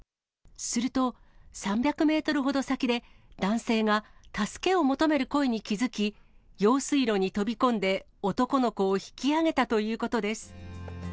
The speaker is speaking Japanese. すると、３００メートルほど先で、男性が助けを求める声に気付き、用水路に飛び込んで、男の子を引き上げたということです。